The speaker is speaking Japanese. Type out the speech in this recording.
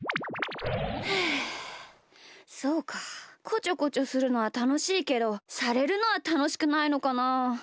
こちょこちょするのはたのしいけどされるのはたのしくないのかな。